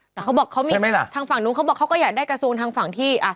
แต่เขาบอกเขาทางฝั่งนู้นเขาบอกเขาก็อยากได้กระทรวงทางฝั่งที่